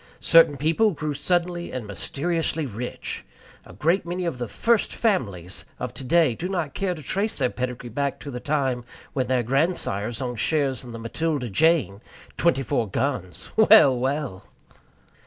Certain people grew suddenly and mysteriously rich. A great many of "the first families" of today do not care to trace their pedigree back to the time when their grandsires owned shares in the Matilda Jane, twenty four guns. Well, well!